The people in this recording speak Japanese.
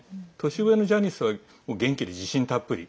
年上のジャニスは元気で自信たっぷり。